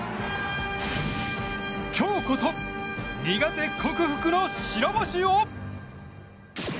今日こそ苦手克服の白星を。